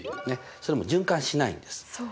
それも循環しないんです。